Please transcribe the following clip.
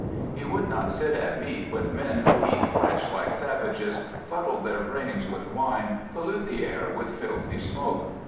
He would not sit at meat with men who eat flesh like savages, fuddle their brains with wine, pollute the air with filthy smoke.